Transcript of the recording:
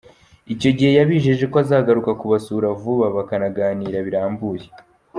Icyo gihe yabijeje ko azagaruka kubasura vuba, bakaganira birambuye.